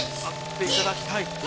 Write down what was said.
あっていただきたい。